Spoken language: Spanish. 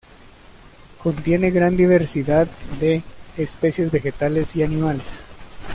Contiene gran diversidad de especies vegetales y animales.